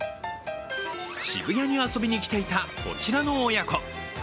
渋谷に遊びに来ていたこちらの親子。